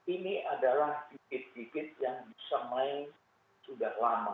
ini adalah dikit dikit yang semai sudah lama